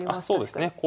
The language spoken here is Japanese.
そうですね。